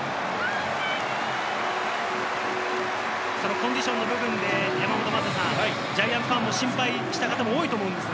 コンディションの部分でジャイアンツファンも心配した方が多いと思います。